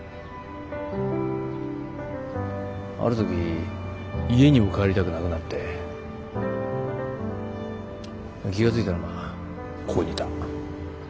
ある時家にも帰りたくなくなって気が付いたらまあここにいた。